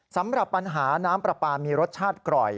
สำหรับปัญหาน้ำปลาปลามีรสชาติกร่อย